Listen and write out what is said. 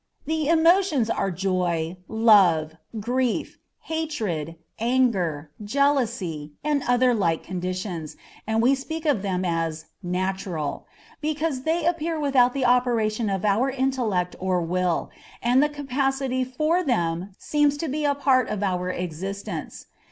_ The emotions are joy, love, grief, hatred, anger, jealousy, and other like conditions, and we speak of them as "natural," because they appear without the operation of our intellect or will, and the capacity for them seems to be a part of our existence.